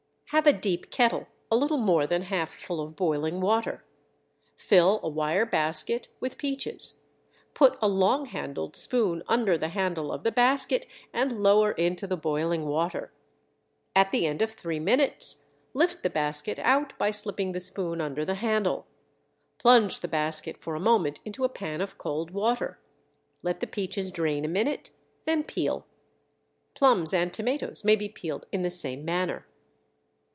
Have a deep kettle a little more than half full of boiling water; fill a wire basket with peaches; put a long handled spoon under the handle of the basket and lower into the boiling water. At the end of three minutes lift the basket out by slipping the spoon under the handle. Plunge the basket for a moment into a pan of cold water. Let the peaches drain a minute, then peel. Plums and tomatoes may be peeled in the same manner.